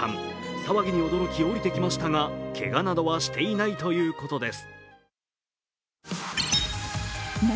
騒ぎに驚き、下りてきましたが、けがなどはしていないということです。